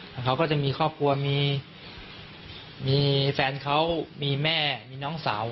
แล้วเขาก็จะมีครอบครัวมีแฟนเขามีแม่มีน้องสาว